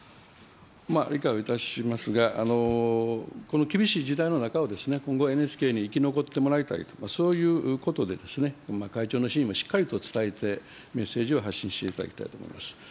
理解をいたしますが、この厳しい時代の中を、今後ＮＨＫに生き残ってもらいたいと、そういうことで、会長の真意もしっかりと伝えてメッセージを発信していただきたいと思います。